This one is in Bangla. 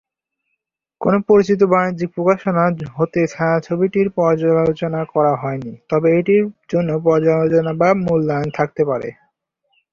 কোন পরিচিত বাণিজ্যিক প্রকাশনা হতে ছায়াছবিটির পর্যালোচনা করা হয়নি, তবে এটির জন্য পর্যালোচনা বা মূল্যায়ন থাকতে পারে।